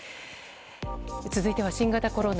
続いては新型コロナ。